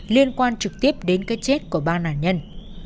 liên quan trực tiếp đến cái chết của ba nạn nhân